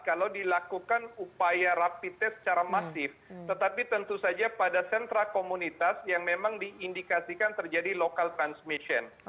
kalau dilakukan upaya rapid test secara masif tetapi tentu saja pada sentra komunitas yang memang diindikasikan terjadi local transmission